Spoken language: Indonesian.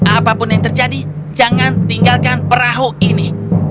apapun yang terjadi jangan tinggalkan perahu ini